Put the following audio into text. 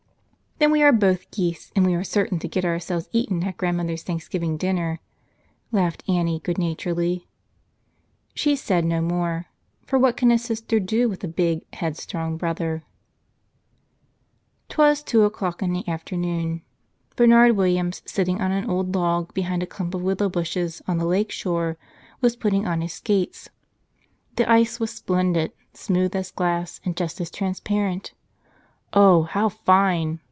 "Then we are both geese and we are certain to get ourselves eaten at grandmother's Thanksgiving din¬ ner," laughed Annie, good naturedly. She said no more; for what can a sister do with a big, headstrong brother? ^ mi afc ^ ip 'Twas two o'clock in the afternoon. Bernard Wil 14 Bernard* s Thanksgiving Day Hams sitting on an old log behind a clump of willow bushes on the lake shore, was putting on his skates. The ice was splendid — smooth as glass and just as transparent. "Oh, how fine!"